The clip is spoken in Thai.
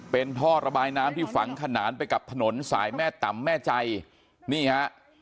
เป็นท่อระบายน้ำที่ฝังขนานไปกับถนนสายแม่ต่ำแม่ใจนี่ฮะ